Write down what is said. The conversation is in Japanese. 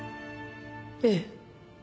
ええ。